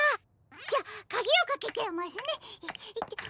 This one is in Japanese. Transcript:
じゃあかぎをかけちゃいますね。